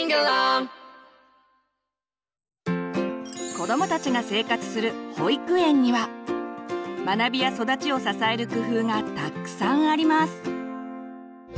子どもたちが生活する保育園には学びや育ちを支える工夫がたくさんあります。